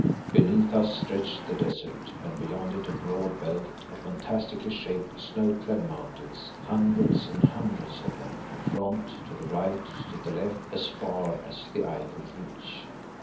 Beneath us stretched the desert, and beyond it a broad belt of fantastically shaped, snow clad mountains, hundreds and hundreds of them; in front, to the right, to the left, as far as the eye could reach.